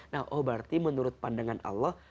nah oh berarti menurut pandangan allah